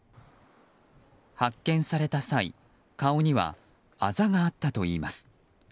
発見された際、顔にはあざがあったといいます。